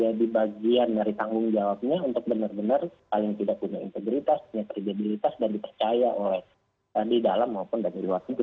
menjadi bagian dari tanggung jawabnya untuk benar benar paling tidak punya integritas punya kredibilitas dan dipercaya oleh di dalam maupun dari luar negeri